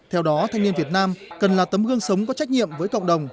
theo đó thanh niên việt nam cần là tấm gương sống có trách nhiệm với cộng đồng